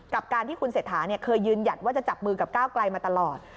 กับการที่คุณเศรษฐาเคยยืนหยัดว่าจะจับมือกับก้าวไกลมาตลอด